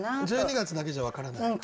「十二月」だけじゃ分からないか。